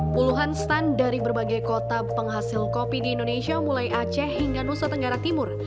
puluhan stand dari berbagai kota penghasil kopi di indonesia mulai aceh hingga nusa tenggara timur